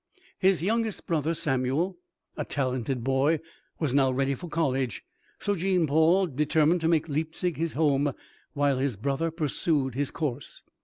His youngest brother, Samuel, a talented boy, was now ready for college; so Jean Paul determined to make Leipzig his home while his brother pursued his course.